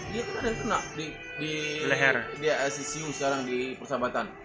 dia pernah yang kena di asisiu sekarang di persahabatan